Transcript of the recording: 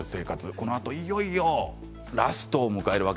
このあといよいよラストを迎えます。